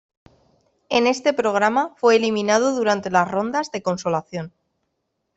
En este programa fue eliminado durante las rondas de consolación.